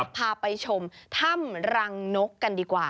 พาไปชมถ้ำรังนกกันดีกว่า